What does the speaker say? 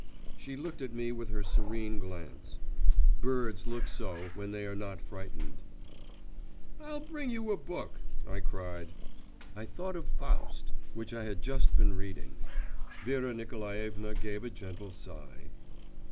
She looked at me with her serene glance. Birds look so when they are not frightened. 'I'll bring you a book!' I cried. (I thought of Faust, which I had just been reading.) Vera Nikolaevna gave a gentle sigh.